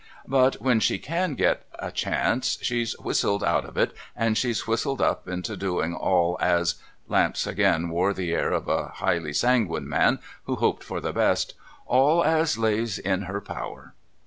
But, when she can get a chance, she's whistled out of it, and she's whistled up into doin' all as,' — Lamps again wore the air of a highly sanguine man who hoped for the best, —' all as lays in her power.'